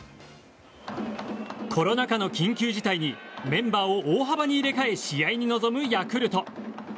コロナ禍の緊急事態にメンバーを大幅に入れ替え試合に臨むヤクルト。